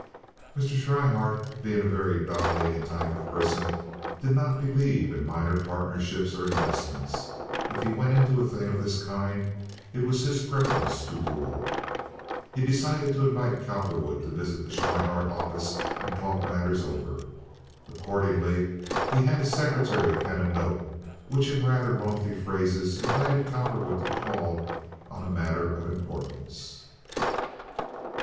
Mr. Schryhart, being a very dominating type of person, did not believe in minor partnerships or investments. If he went into a thing of this kind it was his preference to rule. He decided to invite Cowperwood to visit the Schryhart office and talk matters over. Accordingly, he had his secretary pen a note, which in rather lofty phrases invited Cowperwood to call "on a matter of importance."